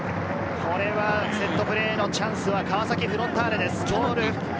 これはセットプレーのチャンスは川崎フロンターレです。